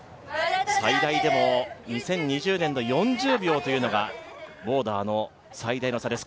２０２０年の４０秒というのがボーダーの最大の差です。